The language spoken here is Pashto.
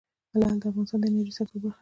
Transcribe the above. لعل د افغانستان د انرژۍ سکتور برخه ده.